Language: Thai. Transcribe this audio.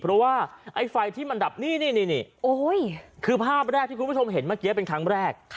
เพราะว่าไอ้ไฟที่มันดับนี่คือภาพแรกที่คุณผู้ชมเห็นเมื่อกี้เป็นครั้งแรก